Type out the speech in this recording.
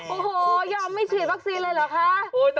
โอ้โหยอมไม่ฉีดวัคซีนเลยเหรอคะ